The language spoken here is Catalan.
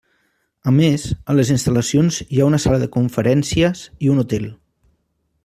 A més, a les instal·lacions hi ha una sala de conferències i un hotel.